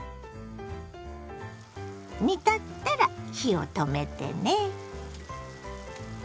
煮立ったら火を止めてね。